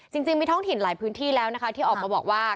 จริงมีท้องถิ่นหลายพื้นที่แล้วนะคะที่ออกมาบอกว่า